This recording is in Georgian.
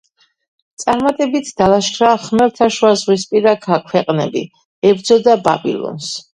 წარმატებით დალაშქრა ხმელთაშუაზღვისპირა ქვეყნები, ებრძოდა ბაბილონს.